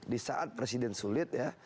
di saat presiden sulit ya